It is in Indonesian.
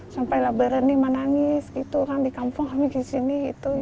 sampai lebaran nih menangis orang di kampung kami ke sini